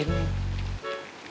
nengneng sakit belum